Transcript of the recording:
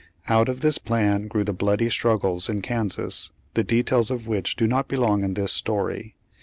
Out of this plan grew the bloody struggles in Kansas, the details of which do not belong in this story.